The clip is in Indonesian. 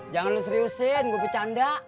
jangan lu seriusin gua kecanda